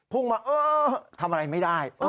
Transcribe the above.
พุ่งมาเออทำอะไรไม่ได้